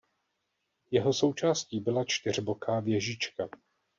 Jeho součástí byla čtyřboká věžička.